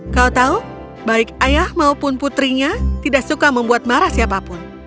kau tahu baik ayah maupun putrinya tidak suka membuat marah siapapun